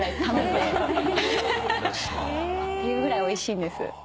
っていうぐらいおいしいんです。